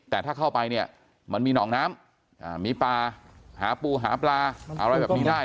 แต่ถ้าเข้าไปเนี่ยมันมีหนองน้ำมีปลาหาปูหาปลาอะไรแบบนี้ได้